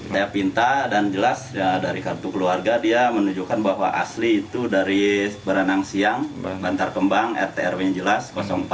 saya pinta dan jelas dari kartu keluarga dia menunjukkan bahwa asli itu dari barenang siang lantar kembang rtrw jelas empat ratus tujuh